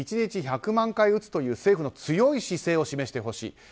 １日１００万回打つという政府の強い姿勢を示してほしい。